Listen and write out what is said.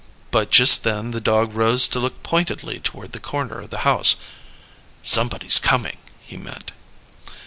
But just then the dog rose to look pointedly toward the corner of the house. "Somebody's coming," he meant.